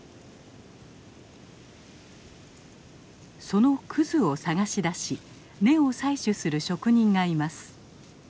そのクズを探し出し根を採取する職人がいます。